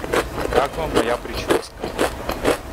А как Вам моя прическа?